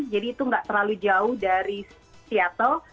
jadi itu nggak terlalu jauh dari seattle